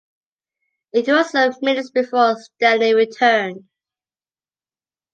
It was some minutes before Stanley returned.